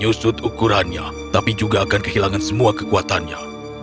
akan menyusut ukurannya tapi juga akan kehilangan semua kekuatannya